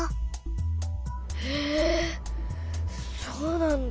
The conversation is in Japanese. えそうなんだ。